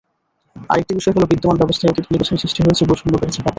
আরেকটি বিষয় হলো, বিদ্যমান ব্যবস্থায় অতি ধনিক শ্রেণি সৃষ্টি হয়েছে, বৈষম্য বেড়েছে ব্যাপক।